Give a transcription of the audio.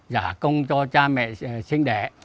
giả công cho cha mẹ sinh đẻ